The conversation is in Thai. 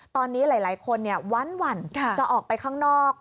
ตอนนี้หลายคนวั่นจะออกไปข้างนอก